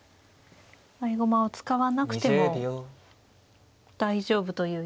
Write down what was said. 合駒を使わなくても大丈夫という読みなんですか。